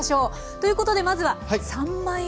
ということでまずは三枚おろし。